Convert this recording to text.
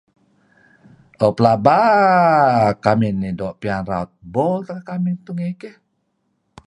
O plaba... kamih nih doo' pian raut bol teh kekamih nuk ngih tungey keyh.